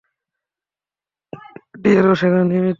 ডিএরও সেখানে নিয়মিত যেত।